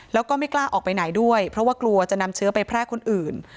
แล้วก็ไม่กล้าออกไปไหนด้วยเพราะว่ากลัวจะนำเชื้อไปแพร่คนอื่น